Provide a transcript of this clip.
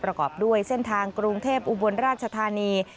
ประกอบด้วยเส้นทางกรุงเทพอุบลราชธานี